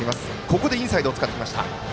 インサイドを使ってきました。